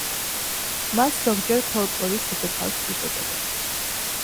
მას ზოგჯერ „ფოლკლორის დედოფალს“ უწოდებენ.